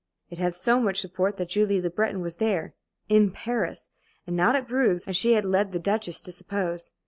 It had so much support that Julie Le Breton was there in Paris and not at Bruges, as she had led the Duchess to suppose.